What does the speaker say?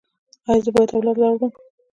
ایا زه باید اولاد راوړم؟